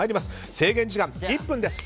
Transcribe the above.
制限時間１分です。